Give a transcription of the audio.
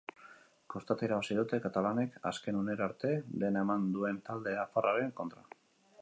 Kostata irabazi dute katalanek azken unera arte dena eman duen talde nafarraren kontra.